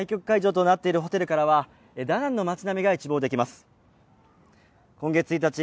対局会場となっているホテルからは、ダナンの町並みが一望できます。